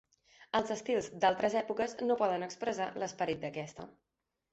Els estils d'altres èpoques no poden expressar l'esperit d'aquesta.